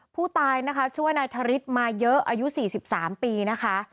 ผู้ตายนะคะชื่อว่านายธริสมาเยอะอายุ๔๓ปีนะคะ